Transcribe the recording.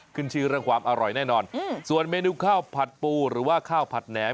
ขึ้นชื่อเรื่องความอร่อยแน่นอนส่วนเมนูข้าวผัดปูหรือว่าข้าวผัดแหนม